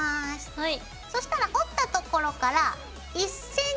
はい。